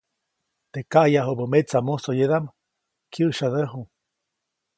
Teʼ kaʼyajubä metsa musoyedaʼm, kyäʼsyadäju.